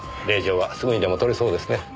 令状はすぐにでも取れそうですね。